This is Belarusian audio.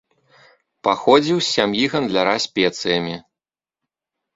Паходзіў з сям'і гандляра спецыямі.